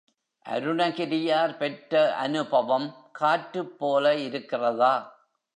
அருணகிரியார் பெற்ற அநுபவம் காற்றுப் போல இருக்கிறதா?